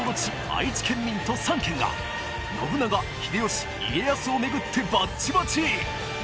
愛知県民と３県が信長・秀吉・家康をめぐってバッチバチ！